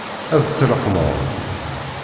Ad t-tleqqmeḍ?